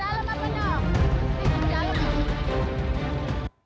jalan jalan men